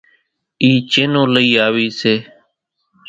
اِي چينون لئِي آويَ سي۔